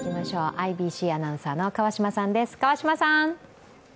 ＩＢＣアナウンサーの川島さんです。